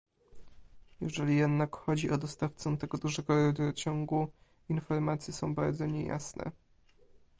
Jeżeli jednak chodzi o dostawcę tego dużego rurociągu, informacje są bardzo niejasne